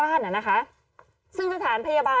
กล้องกว้างอย่างเดียว